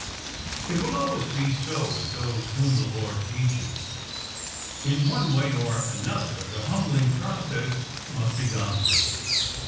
It will always be so with those whom the Lord teaches. In one way or another the humbling process must be gone through.